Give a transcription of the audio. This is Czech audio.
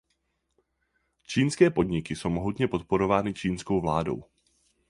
Čínské podniky jsou mohutně podporovány čínskou vládou.